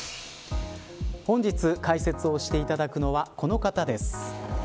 本日解説をしていただくのはこの方です。